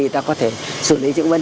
thì ta có thể xử lý những vấn đề